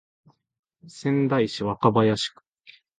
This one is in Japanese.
仙台市若林区